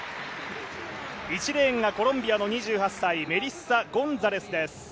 １レーンがコロンビア、２８歳メリッサ・ゴンザレスです。